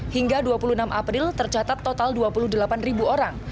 hingga dua puluh enam april tercatat total dua puluh delapan ribu orang